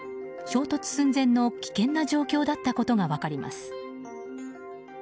衝突寸前の危険な状況だったことが分かります。